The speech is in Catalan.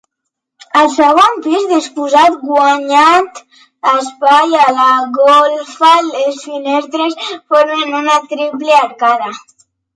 Al segon pis, disposat guanyant espai a la golfa, les finestres formen una triple arcada.